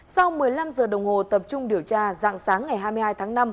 sau một mươi năm giờ đồng hồ tập trung điều tra dạng sáng ngày hai mươi hai tháng năm